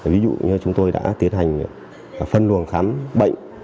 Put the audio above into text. ví dụ như chúng tôi đã tiến hành phân luồng khám bệnh